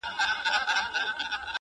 دا جاهل او دا کم ذاته دا کم اصله,